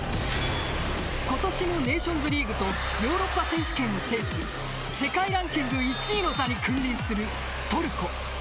今年のネーションズリーグとヨーロッパ選手権を制し世界ランキング１位の座に君臨するトルコ。